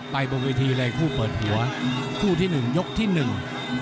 บนเวทีเลยคู่เปิดหัวคู่ที่หนึ่งยกที่หนึ่ง